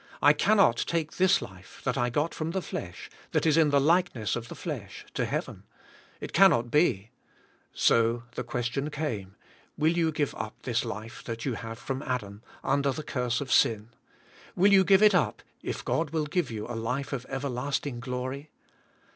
I cannot take this life, that I got from the flesh, that is in the likeness of the flesh, to heaven. It cannot be. So the question came, Christ uvkth in me. 1^1 "Will you g ive up this life that you have from Adam, under the curse of sin. Will you give it up if God will give you a life of everlasting glory.